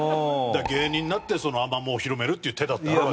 芸人になってアマモを広めるっていう手だってある。